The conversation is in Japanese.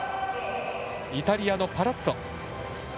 イタリアのパラッツォ。